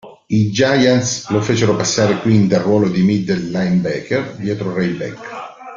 I Giants lo fecero passare quindi al ruolo di middle linebacker dietro Ray Beck.